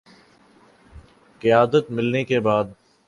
قیادت ملنے کے بعد